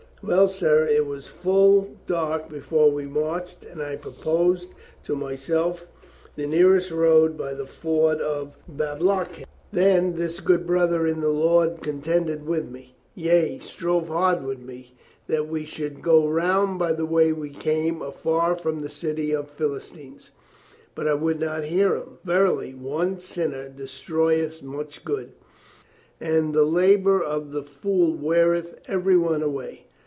Well, sir, it was full dark before we marched and I proposed to myself the nearest road by the ford of Bablock THE COMMISSARY GENERAL 273 hithe. Then this good brother in the Lord con tended with me, yea, strove hard with me, that we should go round by the way we came, afar from the city of the Philistines. But I would not hear him. Verily, one sinner destroyeth much good, and the labor of the fool weareth every one away.